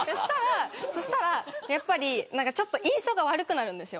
そしたらちょっと印象が悪くなるんです。